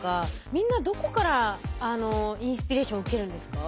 みんなどこからインスピレーション受けるんですか？